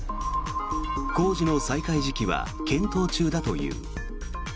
工事の再開時期は検討中だという。